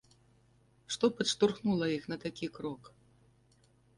Што падштурхнула іх на такі крок?